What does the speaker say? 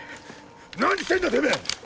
何してんだてめぇ！